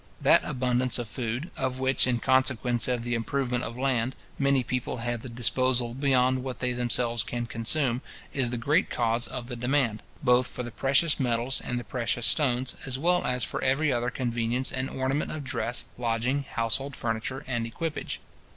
That abundance of food, of which, in consequence of the improvement of land, many people have the disposal beyond what they themselves can consume, is the great cause of the demand, both for the precious metals and the precious stones, as well as for every other conveniency and ornament of dress, lodging, household furniture, and equipage.